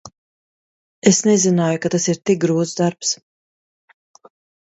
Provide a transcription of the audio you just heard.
Es nezināju, ka tas ir tik grūts darbs.